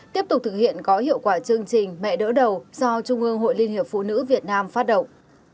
tiếp tục thực hiện có hiệu quả chương trình mẹ đỡ đầu do trung ương hội liên hiệp phụ nữ việt nam phát động